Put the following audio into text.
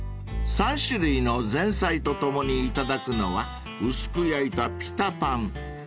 ［３種類の前菜とともに頂くのは薄く焼いたピタパン］